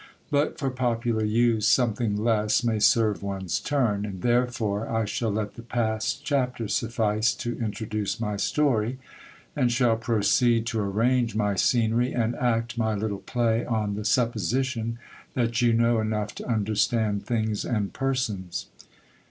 But for popular use, something less may serve one's turn, and therefore I shall let the past chapter suffice to introduce my story, and shall proceed to arrange my scenery and act my little play on the supposition that you know enough to understand things and persons.